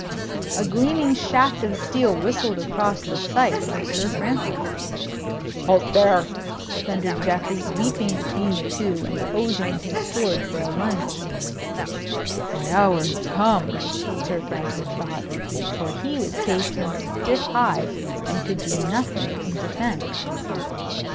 A gleaming shaft of steel whistled across the sight of Sir Francis. "Halt there!" thundered Geoffrey, leaping between the two, and posing his sword for a lunge. "My hour has come," Sir Francis thought. For he was cased in the stiff hide, and could do nothing in defence.